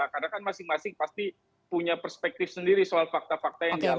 karena kan masing masing pasti punya perspektif sendiri soal fakta fakta yang dialami